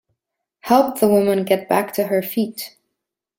Help the woman get back to her feet.